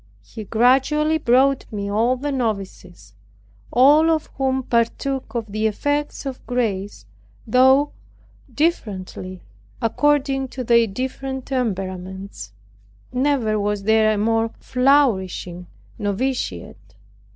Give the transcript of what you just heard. He gradually brought me all the novices, all of whom partook of the effects of grace, though differently, according to their different temperaments. Never was there a more flourishing noviciate.